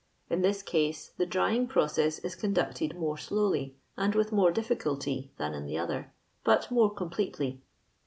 In th i ;> eaae the drying proocas is conducted more slowly and with more difficulty thou in the other, but more com pletely.